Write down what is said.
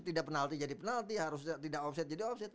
tidak penalti jadi penalti harus tidak offset jadi offset